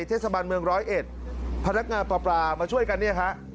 ทศบรรย์เมืองร้อยเอ็ดพนักงานปรามาช่วยกันนี่ครับ